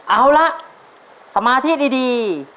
เอาละสมาธิดี